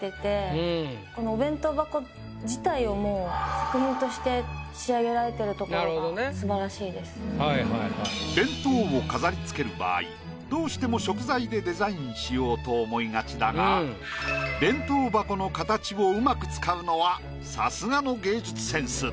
スゴいところは弁当を飾りつける場合どうしても食材でデザインしようと思いがちだが弁当箱の形を上手く使うのはさすがの芸術センス。